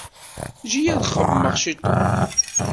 Eǧǧ-iyi ad xemmemeɣ ciṭuḥ.